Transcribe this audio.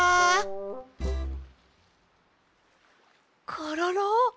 コロロ！